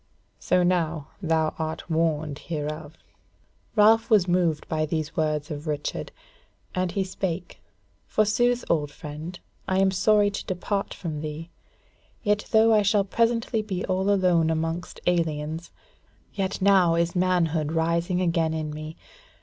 So now thou art warned hereof." Ralph was moved by these words of Richard, and he spake: "Forsooth, old friend, I am sorry to depart from thee; yet though I shall presently be all alone amongst aliens, yet now is manhood rising again in me.